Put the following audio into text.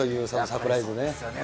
サプライズね。